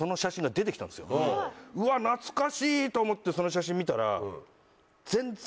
うわっ懐かしいと思ってその写真見たら。